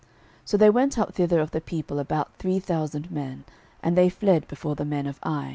06:007:004 So there went up thither of the people about three thousand men: and they fled before the men of Ai.